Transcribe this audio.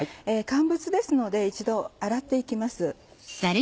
乾物ですので一度洗って行きます。